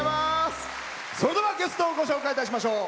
それではゲストをご紹介いたしましょう。